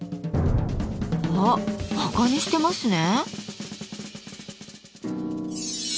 あっバカにしてますね。